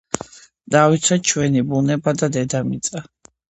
დავიცვათ ვენი ბუნება და დედამიწა